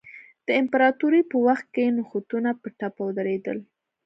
د امپراتورۍ په وخت کې نوښتونه په ټپه ودرېدل.